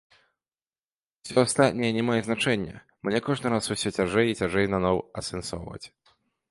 Усё астатняе не мае значэння, мне кожны раз усё цяжэй і цяжэй наноў асэнсоўваць.